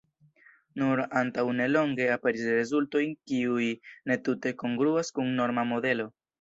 Nur antaŭnelonge aperis rezultoj kiuj ne tute kongruas kun norma modelo.